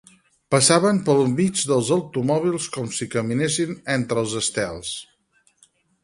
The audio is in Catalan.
Passaven pel mig dels automòbils com si caminessin entre els estels.